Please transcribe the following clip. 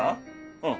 うん。